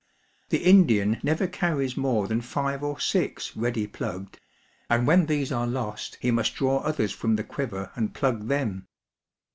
The Indian never carries more than five or six ready plugged ; and when these are lost he must draw others from the quiver and plug them.